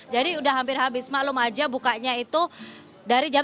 jadi udah hampir habis malam aja bukanya itu dari jam sembilan